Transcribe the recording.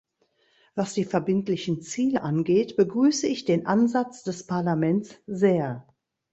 Was die verbindlichen Ziele angeht, begrüße ich den Ansatz des Parlaments sehr.